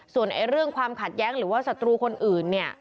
ส่วนเรื่องความขัดแย้งหรือว่าศัตรูคนอื่นเนี่ย